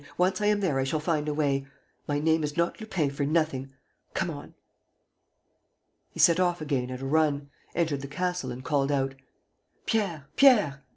Once I am there, I shall find a way. My name is not Lupin for nothing! ... Come on! ..." He set off again at a run, entered the castle and called out: "Pierre! Pierre!